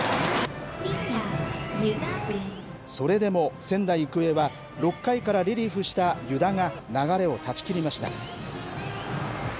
それでも仙台育英は、６回からリリーフしたゆだが流れを断ち切りました。